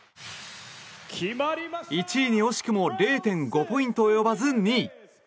１位に惜しくも０．５ポイント及ばず２位。